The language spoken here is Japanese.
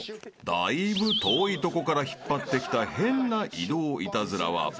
だいぶ遠いとこから引っ張ってきた変な移動イタズラは松尾に決定］